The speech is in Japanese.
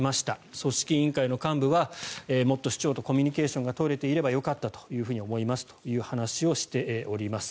組織委員会の幹部はもっと首長とコミュニケーションが取れていればよかったと思いますという話をしております。